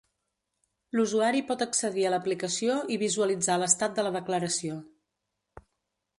L'usuari pot accedir a l'aplicació i visualitzar l'estat de la declaració.